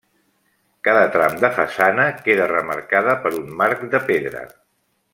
Cada tram de façana queda remarcada per un marc de pedra.